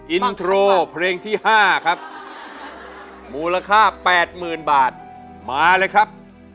อินโทรเพลงที่๕ครับมูลค่า๘๐๐๐บาทมาเลยครับ